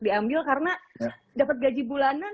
diambil karena dapat gaji bulanan